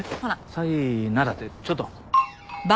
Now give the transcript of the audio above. さいならってちょっと。